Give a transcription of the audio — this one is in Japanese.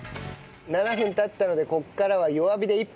７分経ったのでここからは弱火で１分。